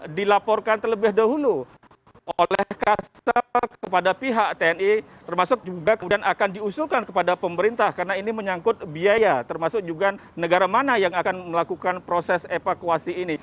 dilaporkan terlebih dahulu oleh kasar kepada pihak tni termasuk juga kemudian akan diusulkan kepada pemerintah karena ini menyangkut biaya termasuk juga negara mana yang akan melakukan proses evakuasi ini